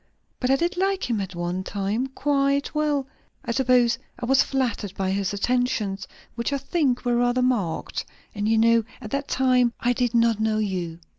But I did like him at one time, quite well. I suppose I was flattered by his attentions, which I think were rather marked. And you know, at that time I did not know you."